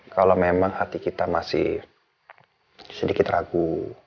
kalau memang hati kita masih sedikit ragu